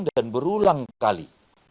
dan berulang kali